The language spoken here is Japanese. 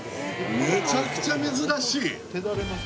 めちゃくちゃ珍しい！